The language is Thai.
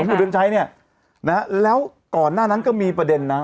คุณเดือนชัยเนี่ยนะฮะแล้วก่อนหน้านั้นก็มีประเด็นนะ